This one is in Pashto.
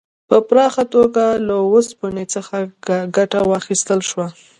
په پراخه توګه له اوسپنې څخه ګټه واخیستل شوه.